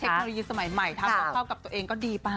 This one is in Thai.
เทคโนโลยีสมัยใหม่ทำก็เข้ากับตัวเองก็ดีไป